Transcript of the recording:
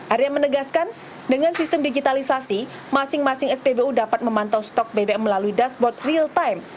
arya menegaskan dengan sistem digitalisasi masing masing spbu dapat memantau stok bbm melalui dashboard real time